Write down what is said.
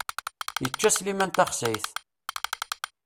Yečča Sliman taxsayt!